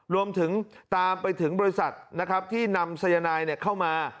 รวมถึงตามไปถึงบริษัทนะครับที่นำสายนายเข้ามา